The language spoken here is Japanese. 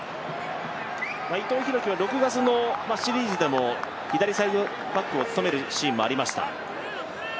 伊藤洋輝は６月のシリーズでも左サイドバックを務めるシーンがありました。